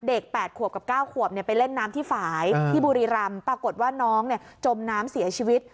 ๘ขวบกับ๙ขวบไปเล่นน้ำที่ฝ่ายที่บุรีรำปรากฏว่าน้องจมน้ำเสียชีวิต